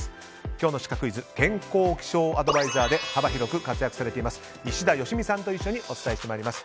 今日のシカクイズ健康気象アドバイザーで幅広く活躍されています石田よしみさんと一緒にお伝えしてまいります。